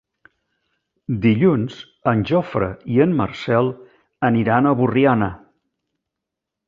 Dilluns en Jofre i en Marcel aniran a Borriana.